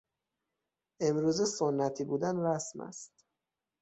امروزه سنتی بودن رسم است.